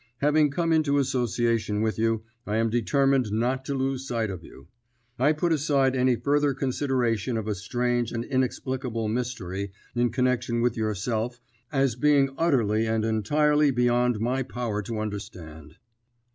Having come into association with you, I am determined not to lose sight of you. I put aside any further consideration of a strange and inexplicable mystery in connection with yourself as being utterly and entirely beyond my power to understand."